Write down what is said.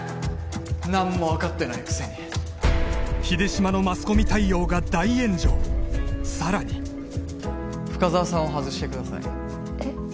何も分かってないくせに秀島のマスコミ対応が大炎上さらに深沢さんを外してくださいえっ？